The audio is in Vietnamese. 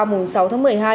mùa sáu tháng một mươi hai